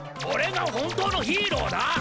おれが本当のヒーローだ！